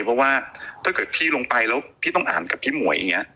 เพราะว่าถ้าเกิดพี่ลงไปแล้วพี่ต้องอ่านกับพี่หมวยอย่างนี้